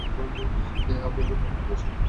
আপনার জন্যে আলাদা করে চা বানাতে হবে না।